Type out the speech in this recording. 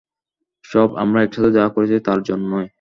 সব আমরা একসাথে যা করেছি তার জন্যই।